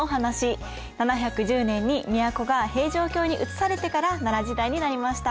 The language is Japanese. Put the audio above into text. ７１０年に都が平城京にうつされてから奈良時代になりました。